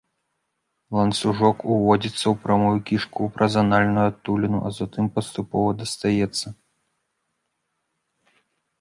Ланцужок уводзіцца ў прамую кішку праз анальную адтуліну, затым паступова дастаецца.